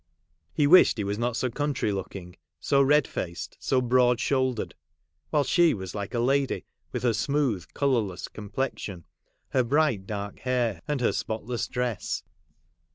He wished he was not so country looking, so red faced, so broad shouldered ; while she was like a lady, with her smooth colourless complexion, her bright dark hair and her spotless dress.